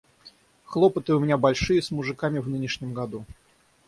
Хлопоты у меня большие с мужиками в нынешнем году.